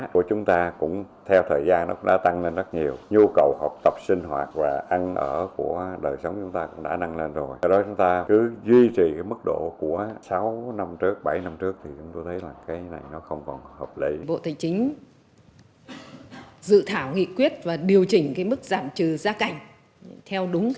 không còn hợp lý bộ thành chính dự thảo nghị quyết và điều chỉnh mức giảm trừ giá cảnh theo đúng